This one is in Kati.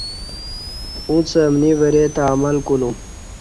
اُݩڅ امنی وریں تہ عمل کُولُوم